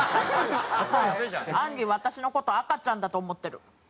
あんり私の事赤ちゃんだと思ってる。